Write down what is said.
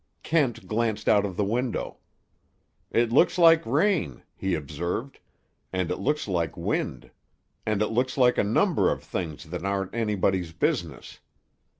Kent glanced out of the window. "It looks like rain," he observed, "and it looks like wind. And it looks like a number of things that are anybody's business.